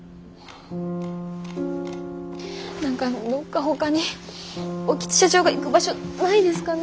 何かどっかほかに興津社長が行く場所ないですかね。